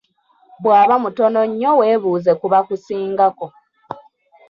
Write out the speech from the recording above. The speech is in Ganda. Bw'aba mutono nnyo weebuuze ku bakusingako.